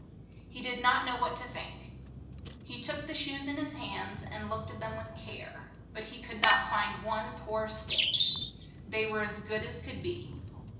He did not know what to think. He took the shoes in his hands, and looked at them with care, but he could not find one poor stitch ; they were as good as could be.